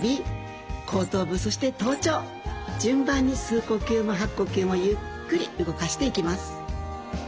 順番に吸う呼吸も吐く呼吸もゆっくり動かしていきます。